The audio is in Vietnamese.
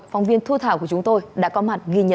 phóng viên thu thảo của chúng tôi đã khuyên